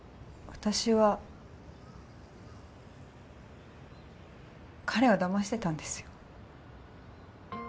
私は彼をだましてたんですよ